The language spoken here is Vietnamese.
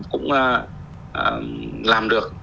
cũng làm được